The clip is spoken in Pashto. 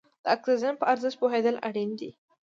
د اکسیجن په ارزښت پوهېدل اړین دي.